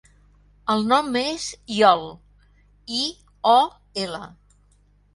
El nom és Iol: i, o, ela.